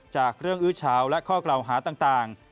จากเรื่องอื้อเฉาและข้อกล่าวหาต่าง